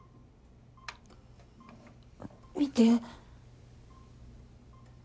見て。